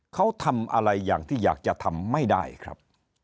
เขาทำอะไรอย่างที่อยากจะทำไม่ได้ครับ